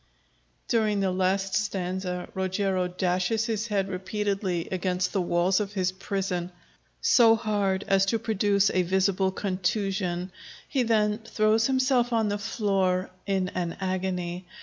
[_During the last stanza Rogero dashes his head repeatedly against the walls of his prison, and finally so hard as to produce a visible contusion. He then throws himself on the floor in an agony.